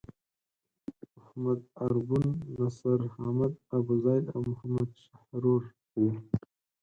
محمد ارګون، نصر حامد ابوزید او محمد شحرور وو.